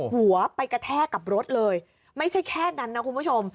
หัวไปกระแทกกับรถเลยไม่ใช่แค่นั้นนะคุณผู้ชม